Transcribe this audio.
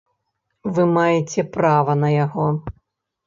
Вы маеце права на яго.